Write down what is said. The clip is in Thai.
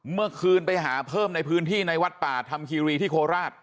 เมื่อคืนไปหาเพิ่มในพื้นที่ในวัดป่าธรรมคีรีที่โคราช